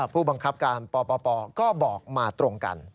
ผู้บังคับการปปก็บอกมาตรงกัน